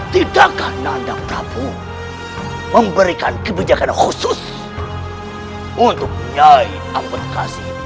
tidakkah nanda prabu memberikan kebijakan khusus untuk nyai ambedkasi